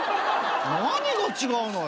何が違うのよ